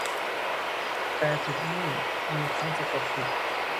แปลผิดนี่มีทั้ง สะกดผิด